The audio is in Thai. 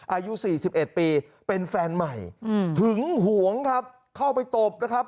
อายุสี่สิบเอ็ดปีเป็นแฟนใหม่ถึงห่วงครับเข้าไปตบนะครับ